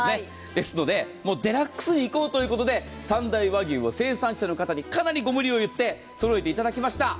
ですのでデラックスにいこうということで三大和牛を生産者の方にかなりご無理を言って揃えていただきました。